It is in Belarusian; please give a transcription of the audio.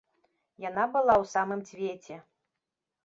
Яна была ў самым цвеце.